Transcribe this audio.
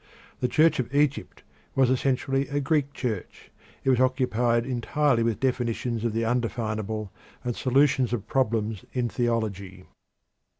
The Church of Egypt was essentially a Greek church; it was occupied entirely with definitions of the undefinable and solutions of problems in theology.